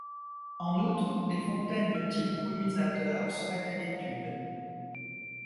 En outre, des fontaines de type brumisateur seraient à l'étude.